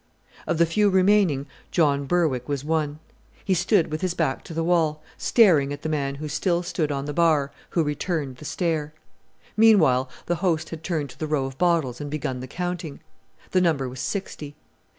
Of the few remaining John Berwick was one. He stood with his back to the wall, staring at the man who still stood on the bar, who returned the stare. Meanwhile the host had turned to the row of bottles and begun the counting. The number was sixty.